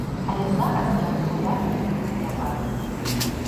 Але зараз я рэгулярна яе спяваю.